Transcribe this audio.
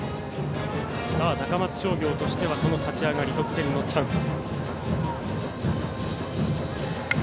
高松商業としてはこの立ち上がり得点のチャンス。